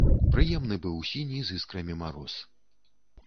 Прыемны быў сіні з іскрамі мароз.